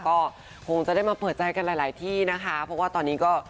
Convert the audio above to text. ก็คงจะได้มาเปิดใจกันหลายหลายที่นะคะเพราะว่าตอนนี้ก็